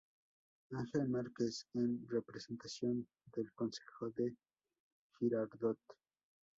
Ángel Márquez en representación del Concejo de Girardot.